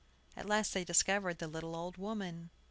At last they discovered the little old woman.